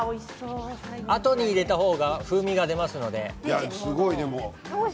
最後に入れた方が風味が出ますので。